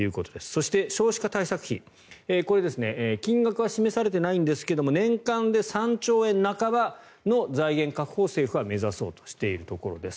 そして、少子化対策費金額は示されていないんですが年間で３兆円半ばの財源確保を政府は目指そうとしているところです。